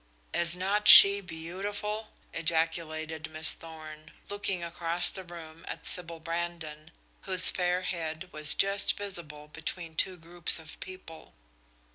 "Is not she beautiful?" ejaculated Miss Thorn, looking across the room at Sybil Brandon, whose fair head was just visible between two groups of people.